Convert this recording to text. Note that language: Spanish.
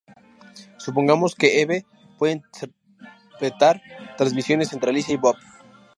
Supongamos que Eve puede interceptar transmisiones entre Alicia y Bob.